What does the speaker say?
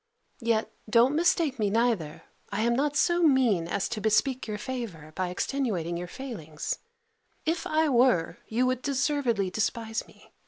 Yet, don't mistake me, neither; I am not so mean as to bespeak your favour by extenuating your failings; if I were, you would deservedly despise me.